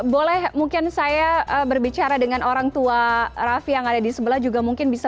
boleh mungkin saya berbicara dengan orang tua raffi yang ada di sebelah juga mungkin bisa